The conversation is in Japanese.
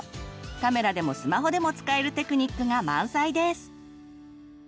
カメラでもスマホでも使えるテクニックが満載です！